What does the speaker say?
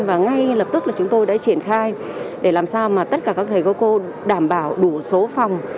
và ngay lập tức là chúng tôi đã triển khai để làm sao mà tất cả các thầy cô cô đảm bảo đủ số phòng